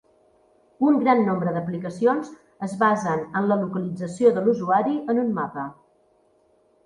Un gran nombre d’aplicacions es basen en la localització de l’usuari en un mapa.